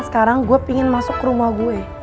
sekarang gue ingin masuk ke rumah gue